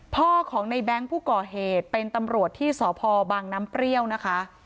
พ่อของในแบงค์ผู้ก่อเหตุเป็นตำรวจที่สพบังน้ำเปรี้ยวนะคะ